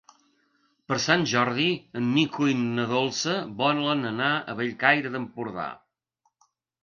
Per Sant Jordi en Nico i na Dolça volen anar a Bellcaire d'Empordà.